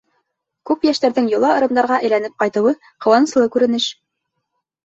— Күп йәштәрҙең йола-ырымдарға әйләнеп ҡайтыуы — ҡыуаныслы күренеш.